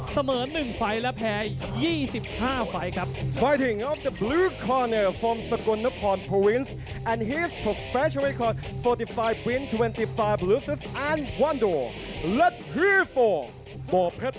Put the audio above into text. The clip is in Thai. เสมือน๑ไฟละแพ้๒๕ไฟครับ